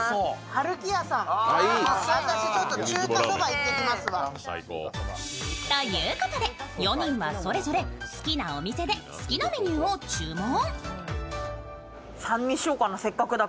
よくばりさーん。ということで４人はそれぞれ好きなお店で好きなメニューを注文。